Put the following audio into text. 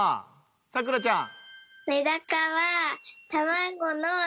さくらちゃん。